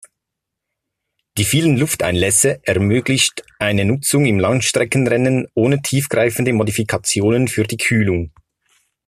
Die vielen Lufteinlässe ermöglichte eine Nutzung in Langstreckenrennen ohne tiefgreifende Modifikationen für die Kühlung.